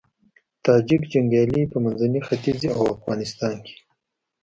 تاجیک جنګيالي په منځني ختيځ او افغانستان کې